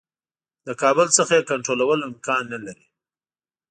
له کابل څخه یې کنټرولول امکان نه لري.